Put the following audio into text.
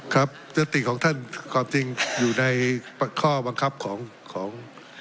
ยศติของท่านความจริงอยู่ในข้อบังคับของของ